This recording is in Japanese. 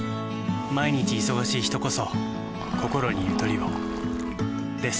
毎日忙しい人こそこころにゆとりをです。